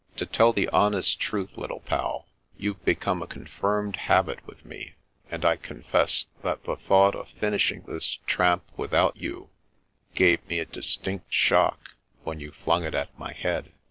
To tell the honest truth, Little Pal, you've become a confirmed habit with me, and I confess that the thought of fin ishing this tramp without you gave me a distinct shock, when you flung it at my head.